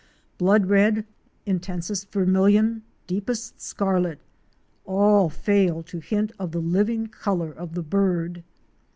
Blood red, intensest vermilion, deepest scarlet — all fail to hint of the living color of the bird.